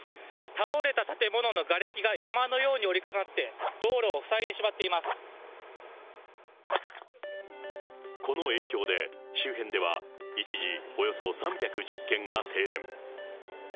倒れた建物のがれきが山のように折り重なって、この影響で、周辺では一時、およそ３１０軒が停電。